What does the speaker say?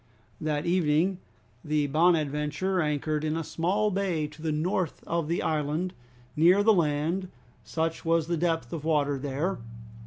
That evening the "Bonadventure" anchored in a small bay to the north of the island, near the land, such was the depth of water there.